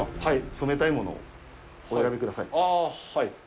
染めたいものをお選びください。